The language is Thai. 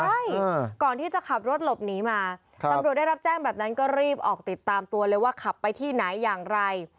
ใช่ก่อนที่จะขับรถหลบหนีมาตำรวจได้รับแจ้งแบบนั้นก็รีบออกติดตามตัวเลยว่าขับไปที่ไหนอย่างไร